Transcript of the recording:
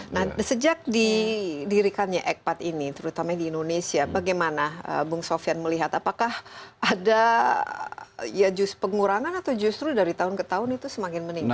nah sejak didirikannya ekpat ini terutama di indonesia bagaimana bung sofian melihat apakah ada ya justru pengurangan atau justru dari tahun ke tahun itu semakin meningkat